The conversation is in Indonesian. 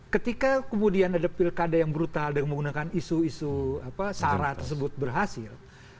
ketika kemudian ada pilkada yang brutal dan menggunakan isu isu sara tersebut berhasil